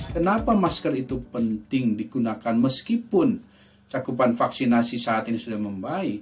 kenapa masker itu penting digunakan meskipun cakupan vaksinasi saat ini sudah membaik